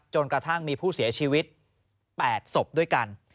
กระทั่งมีผู้เสียชีวิต๘ศพด้วยกัน